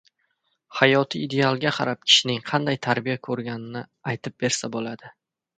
Hayotiy idealga qarab kishining qanday tarbiya ko‘rganini aytib bersa bo‘ladi.